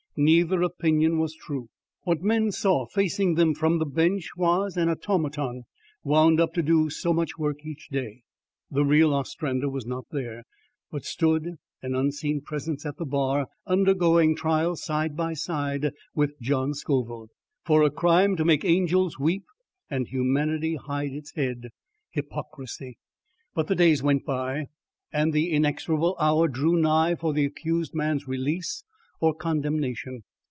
Neither opinion was true. What men saw facing them from the Bench was an automaton wound up to do so much work each day. The real Ostrander was not there, but stood, an unseen presence at the bar, undergoing trial side by side with John Scoville, for a crime to make angels weep and humanity hide its head: hypocrisy! But the days went by and the inexorable hour drew nigh for the accused man's release or condemnation.